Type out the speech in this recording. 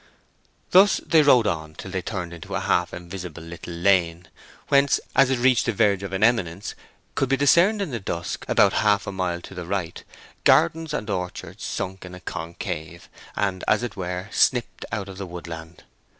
Thus they rode on till they turned into a half invisible little lane, whence, as it reached the verge of an eminence, could be discerned in the dusk, about half a mile to the right, gardens and orchards sunk in a concave, and, as it were, snipped out of the woodland.